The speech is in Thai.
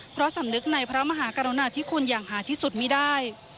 เพราะสำนึกในพระมหากรุณาที่คุณอย่างหาที่สุดมีได้